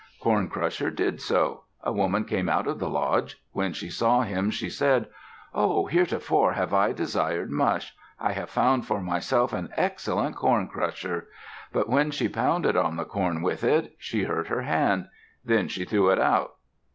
Corn Crusher did so. A woman came out of the lodge. When she saw him, she said, "Oh! Heretofore have I desired mush. I have found for myself an excellent corn crusher." But when she pounded on the corn with it, she hurt her hand. Then she threw it out.